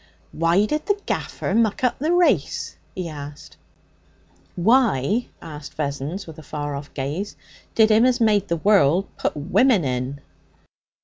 'Why did the gaffer muck up the race?' he asked. 'Why,' asked Vessons, with a far off gaze, 'did 'Im as made the 'orld put women in?'